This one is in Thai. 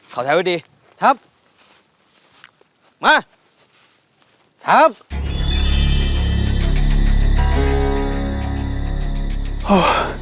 เขาท้ายวิธีชับมาช้า